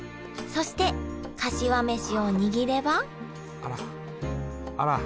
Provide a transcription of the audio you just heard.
そしてかしわ飯を握ればあらあらあら。